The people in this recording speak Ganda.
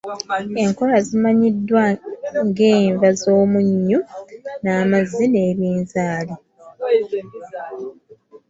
Enkolwa zimanyiddwa ng'enva z’omunnyu n’amazzi n’ebinzaali.